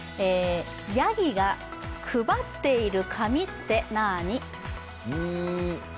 ヤギが配っている紙って何？